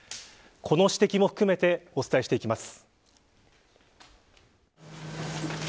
この指摘も含めてお伝えしていきます。